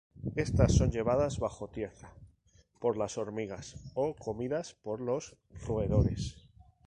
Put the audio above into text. Estas son llevadas bajo tierra por las hormigas o comidas por los roedores.